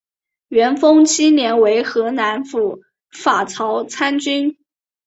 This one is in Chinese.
元丰七年为河南府法曹参军。